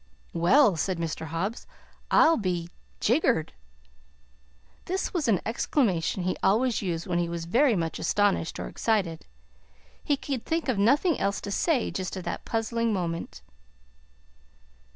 "Well," said Mr. Hobbs, "I'll be jiggered!" This was an exclamation he always used when he was very much astonished or excited. He could think of nothing else to say just at that puzzling moment.